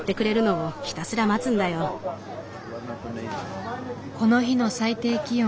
この日の最低気温は５度。